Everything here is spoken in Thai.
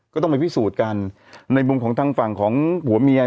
ก็ต้องไปพิสูจน์กันในมุมของทางฝั่งของผัวเมีย